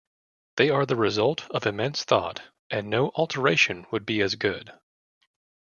They are the result of immense thought, and no alteration would be as good.